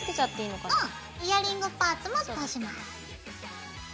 うんイヤリングパーツも通します。